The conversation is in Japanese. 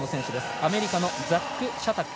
アメリカのザック・シャタック。